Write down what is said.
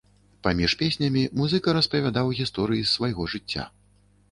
Паміж песнямі музыка распавядаў гісторыі з свайго жыцця.